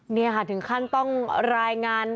นี่ค่ะถึงขั้นต้องรายงาน